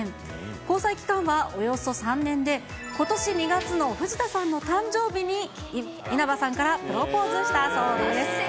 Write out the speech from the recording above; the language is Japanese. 交際期間はおよそ３年で、ことし２月の藤田さんの誕生日に稲葉さんからプロポーズしたそうです。